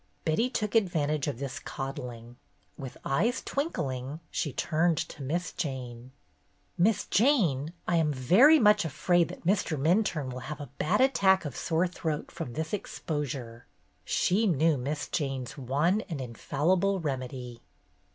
Betty took advantage of this coddling. With eyes twinkling, she turned to Miss Jane. "Miss Jane, I am very much afraid that Mr. Minturne will have a bad attack of sore throat MINTURNE'S STORMY ROW 223 from this exposure/' She knew Miss Jane's one and infallible remedy.